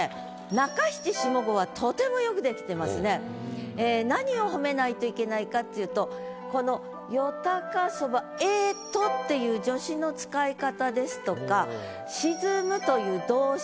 中七下五はええ何を褒めないといけないかっていうとこの「夜鷹蕎麦へと」っていう助詞の使い方ですとか「沈む」という動詞